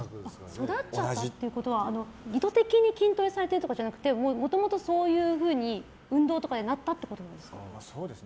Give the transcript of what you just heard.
育っちゃったっていうことは意図的に筋トレされてるとかじゃなくてもともとそういうふうに運動とかでなったってことですか。